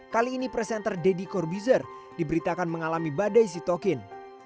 kali ini presenter deddy corbizer diberitakan mengalami badai sitokin